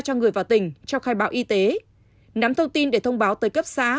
cho người vào tỉnh trong khai báo y tế nắm thông tin để thông báo tới cấp xã